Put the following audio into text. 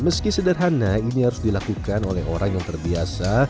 meski sederhana ini harus dilakukan oleh orang yang terbiasa